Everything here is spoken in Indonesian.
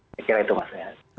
saya kira itu mas rehat